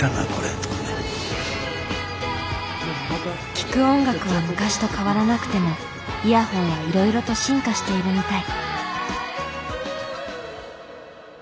聴く音楽は昔と変わらなくてもイヤホンはいろいろと進化しているみたい。